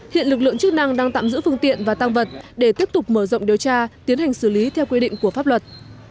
hiện lực lượng chức năng đang tạm giữ phương tiện và tăng vật để tiếp tục mở rộng điều tra tiến hành xử lý theo quy định của pháp luật